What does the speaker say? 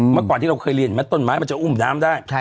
มากกว่าที่เราเคยเรียนมันต้นไม้มันจะอุ้มน้ำได้